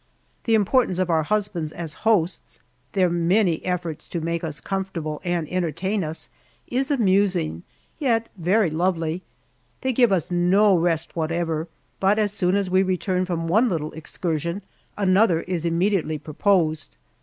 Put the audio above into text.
The importance of our husbands as hosts their many efforts to make us comfortable and entertain us is amusing, yet very lovely. They give us no rest whatever, but as soon as we return from one little excursion another is immediately proposed.